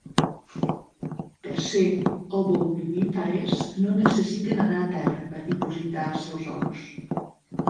Per ser ovovivípares no necessiten anar a terra per dipositar els seus ous.